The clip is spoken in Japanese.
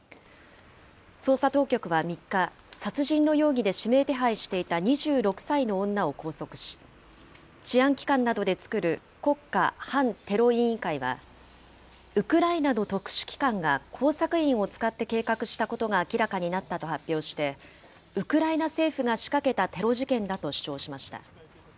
捜査当局は３日、殺人の容疑で指名手配していた２６歳の女を拘束し、治安機関などで作る国家反テロ委員会は、ウクライナの特殊機関が工作員を使って計画したことが明らかになったと発表して、ウクライナ政府が仕掛けたテロ事件だと主張しました。